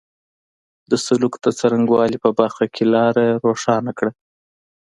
د سلوک د څرنګه والي په برخه کې لاره روښانه کړه.